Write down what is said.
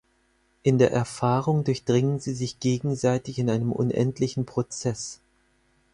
In der Erfahrung durchdringen sie sich gegenseitig in einem unendlichen Prozess.